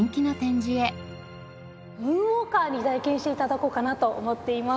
ムーンウォーカーに体験して頂こうかなと思っています。